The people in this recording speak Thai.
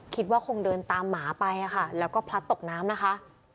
คิดว่าคงเดินตามหมาไปค่ะแล้วก็พลัดตกน้ำนะคะ